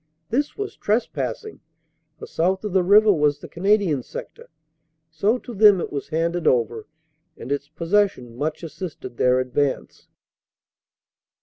This was trespassing, for south of the river was the Canadian sector. So to them it was handed over, and its pos session much assisted their advance.